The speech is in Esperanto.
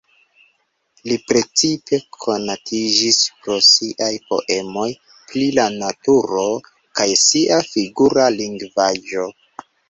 Li precipe konatiĝis pro siaj poemoj pri la naturo kaj sia figura lingvaĵo.